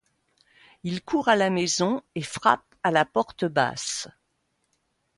Il court à la maison et frappe à la porte basse.